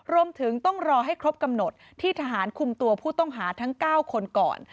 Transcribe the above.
รวมถึงต้องรอให้ครบกำหนดที่ทหารคุมตัวผู้ต้องหาทั้ง๙คนก่อน